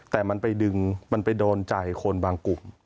แต่มันไปดึงมันไปโดนใจคนบางกลุ่ม